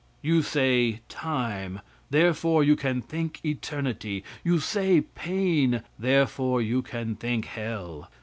You say time, therefore you can think eternity. You say pain, therefore you can think hell.